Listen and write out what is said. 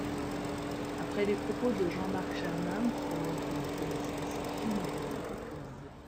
Après les propos de Jean-Marc Germain, qui démontrent une connaissance fine de l’entreprise.